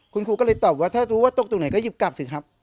คุณครูก็เลยตอบว่าถ้ารู้ว่าตกตรงไหนก็หยิบกลับสิครับ